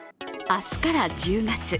明日から１０月。